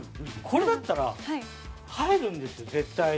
これだったら入るんですよ絶対に。